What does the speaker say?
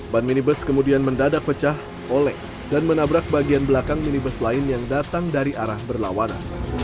ban minibus kemudian mendadak pecah oleng dan menabrak bagian belakang minibus lain yang datang dari arah berlawanan